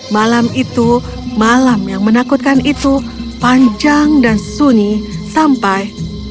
malam itu malam yang menakutkan itu panjang dan sunyi sampai